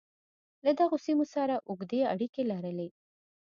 له دغو سیمو سره اوږدې اړیکې لرلې.